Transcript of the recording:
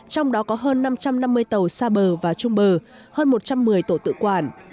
trong đó có hơn năm trăm năm mươi tàu xa bờ và trung bờ hơn một trăm một mươi tổ tự quản